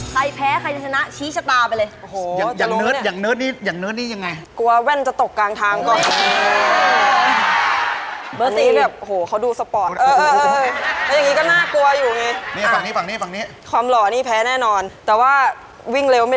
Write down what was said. ใครแพ้ใครจะสนะชี้ชะตาไปเลย